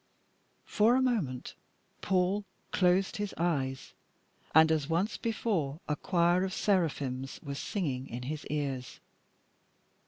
For a moment Paul closed his eyes, and as once before a choir of seraphims were singing in his ears.